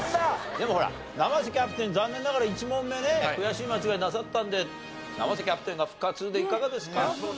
でもほら生瀬キャプテン残念ながら１問目ね悔しい間違いなさったんで生瀬キャプテンが復活でいかがですか？